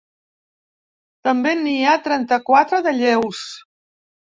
També n’hi ha trenta-quatre de lleus.